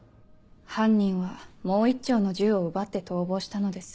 犯人はもう１丁の銃を奪って逃亡したのです。